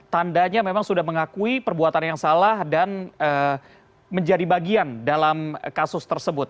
tandanya memang sudah mengakui perbuatan yang salah dan menjadi bagian dalam kasus tersebut